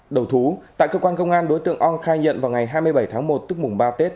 đầu thú tại cơ quan công an đối tượng ong khai nhận vào ngày hai mươi bảy tháng một tức mùng ba tết